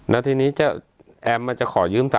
แล้วทีนี้แอมมันจะขอยืม๓